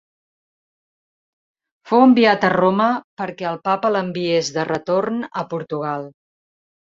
Fou enviat a Roma perquè el papa l'enviés de retorn a Portugal.